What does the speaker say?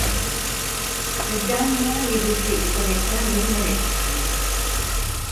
Sizden herhangi bir şey istemekten beni menetmiştiniz!